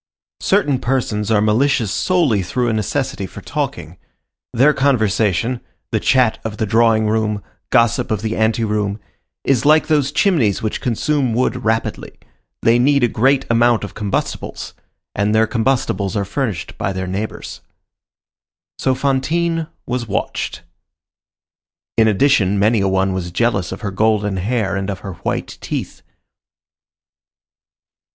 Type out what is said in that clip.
Certain persons are malicious solely through a necessity for talking. Their conversation, the chat of the drawing room, gossip of the anteroom, is like those chimneys which consume wood rapidly; they need a great amount of combustibles; and their combustibles are furnished by their neighbors. So Fantine was watched. In addition, many a one was jealous of her golden hair and of her white teeth.